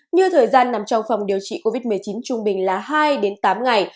như thời gian nằm trong phòng điều trị covid một mươi chín trung bình là hai đến tám ngày